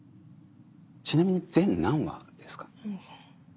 ちなみに全何話ですか？